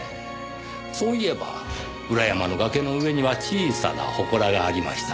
そういえば裏山の崖の上には小さな祠がありました。